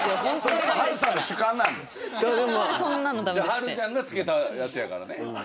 波瑠ちゃんが付けたやつやからね。